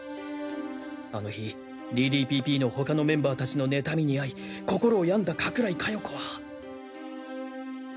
あの日ＤＤＰＰの他のメンバーたちの妬みにあい心を病んだ加倉井加代子は。